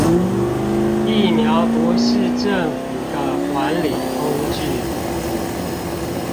疫苗不是政府的管理工具